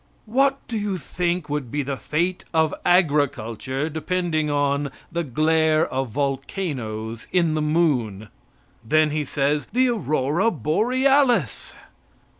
What do you think would be the fate of agriculture depending on the "glare of volcanoes in the moon?" Then he says "the aurora borealis."